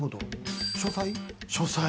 書斎？